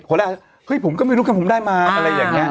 คนแรกเฮ้ยผมก็ไม่รู้แค่ผมได้มาอะไรอย่างนี้